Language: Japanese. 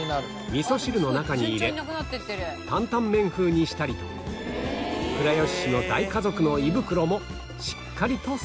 味噌汁の中に入れ担々麺風にしたりと倉吉市の大家族の胃袋もしっかりと支えていた